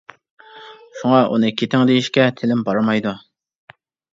شۇڭا ئۇنى كېتىڭ دېيىشكە تىلىم بارمايدۇ.